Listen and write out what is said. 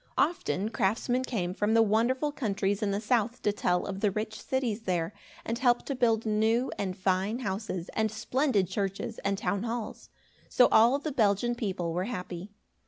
Often craftsmen came from the wonderful countries in the south to tell of the rich cities there, and help to build new and fine houses, and splendid churches, and town halls. So all the Belgian people were happy.